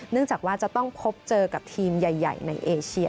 จากว่าจะต้องพบเจอกับทีมใหญ่ในเอเชีย